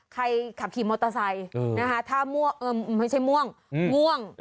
ขับขี่มอเตอร์ไซค์นะคะถ้าม่วงไม่ใช่ม่วงง่วง